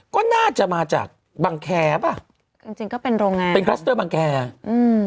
ก็น่าจะมาจากบางแคปะจริงจริงก็เป็นโรงงานเป็นบางแคอืม